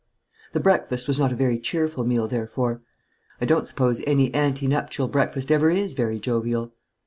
The breakfast was not a very cheerful meal, therefore. I don't suppose any ante nuptial breakfast ever is very jovial.